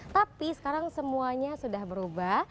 tapi sekarang semuanya sudah berubah